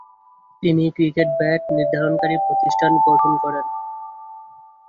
তিনি cricket bat নির্মাণকারী প্রতিষ্ঠান গঠন করেন।